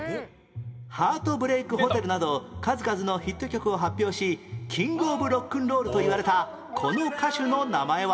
『ハートブレイク・ホテル』など数々のヒット曲を発表しキング・オブ・ロックンロールといわれたこの歌手の名前は？